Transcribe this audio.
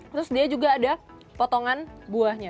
terus dia juga ada potongan buahnya